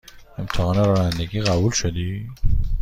امتحان رانندگی قبول شدی؟